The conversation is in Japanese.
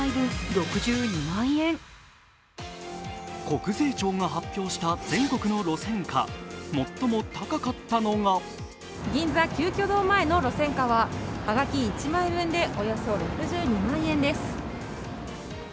国税庁が発表した全国の路線価、最も高かったのが銀座・鳩居堂前の路線価は、はがき１枚分でおよそ６２万円です。